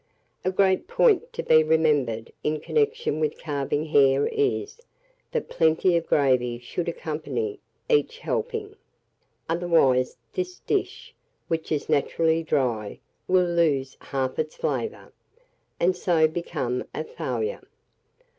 A great point to be remembered in connection with carving hare is, that plenty of gravy should accompany each helping; otherwise this dish, which is naturally dry, will lose half its flavour, and so become a failure.